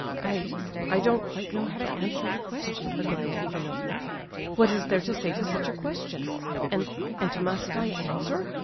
"I—I don't quite know how to answer your question, Aglaya Ivanovna. What is there to say to such a question? And—and must I answer?"